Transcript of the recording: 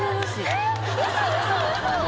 えっ？